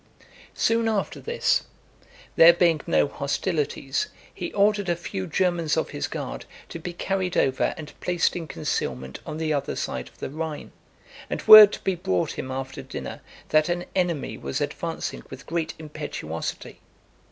XLV. Soon after this, there being no hostilities, he ordered a few Germans of his guard to be carried over and placed in concealment on the other side of the Rhine, and word to be brought him after dinner, that an enemy was advancing with great impetuosity.